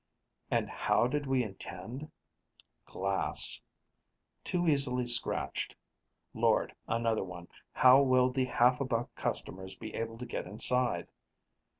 And how did we intend ? Glass Too easily scratched. Lord, another one: how will the half a buck customers be able to see inside?